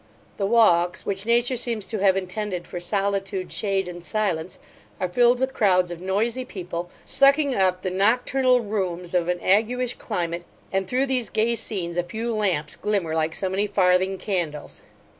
The walks, which nature seems to have intended for solitude, shade, and silence, are filled with crowds of noisy people, sucking up the nocturnal rheums of an aguish climate; and through these gay scenes, a few lamps glimmer like so many farthing candles.